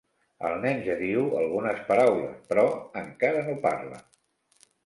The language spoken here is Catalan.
El nen ja diu algunes paraules, però encara no parla.